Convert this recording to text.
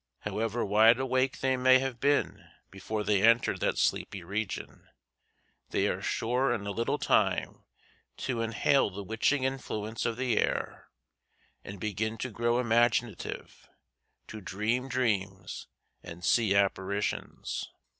However wide awake they may have been before they entered that sleepy region, they are sure in a little time to inhale the witching influence of the air and begin to grow imaginative to dream dreams and see apparitions.